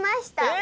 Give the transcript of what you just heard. え！